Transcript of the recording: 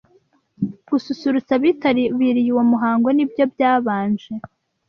Gususurutsa abitabiriye uwo muhango nibyo byabanje